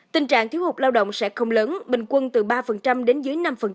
tình trạng thiếu hụt lao động sẽ không lớn bình quân từ ba đến dưới năm